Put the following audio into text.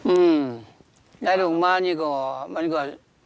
อืมยายลงมานี่ก็มันก็